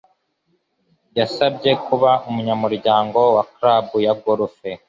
Yasabye kuba umunyamuryango wa club ya golf.